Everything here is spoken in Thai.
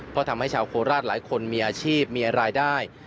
เพราะทำให้ชาวโคราชหลายคนมีอาชีพมีรายได้